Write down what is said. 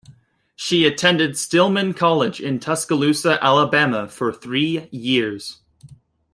She attended Stillman College in Tuscaloosa, Alabama for three years.